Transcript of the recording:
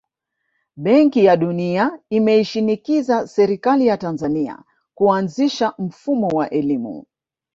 Benki ya dunia imeishinikiza serikali ya Tanzania kuanzisha mfumo wa elimu